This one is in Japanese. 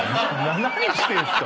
何してんすか？